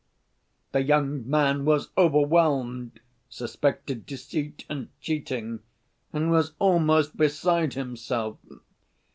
The young man was overwhelmed, suspected deceit and cheating, and was almost beside himself.